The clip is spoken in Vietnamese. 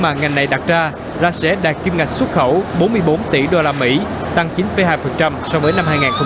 mà ngành này đặt ra là sẽ đạt kim ngạch xuất khẩu bốn mươi bốn tỷ usd tăng chín hai so với năm hai nghìn một mươi tám